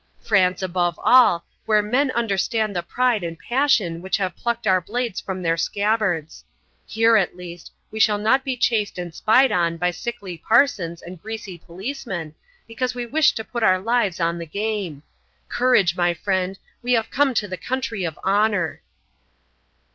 France, above all, where men understand the pride and passion which have plucked our blades from their scabbards. Here, at least, we shall not be chased and spied on by sickly parsons and greasy policemen, because we wish to put our lives on the game. Courage, my friend, we have come to the country of honour."